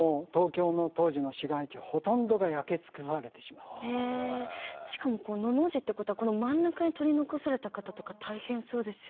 もうへえしかものの字ってことはこの真ん中に取り残された方とか大変そうですよね。